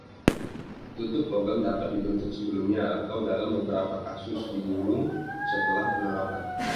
Tutup logam dapat dibentuk sebelumnya atau dalam beberapa kasus, digulung setelah penerapan.